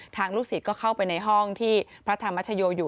ลูกศิษย์ก็เข้าไปในห้องที่พระธรรมชโยอยู่